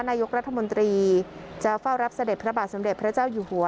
นายกรัฐมนตรีจะเฝ้ารับเสด็จพระบาทสมเด็จพระเจ้าอยู่หัว